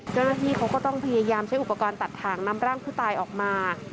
เจ้าหน้าที่เขาก็ต้องพยายามใช้อุปกรณ์ตัดถ่างนำร่างผู้ตายออกมา